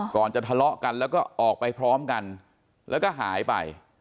ก่อนจะทะเลาะกันแล้วก็ออกไปพร้อมกันแล้วก็หายไป